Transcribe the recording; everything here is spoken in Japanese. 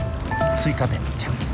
追加点のチャンス。